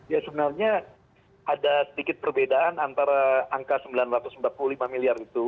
ya sebenarnya ada sedikit perbedaan antara angka sembilan ratus empat puluh lima miliar itu